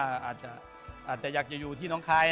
อาจจะอยากจะอยู่ที่น้องคาย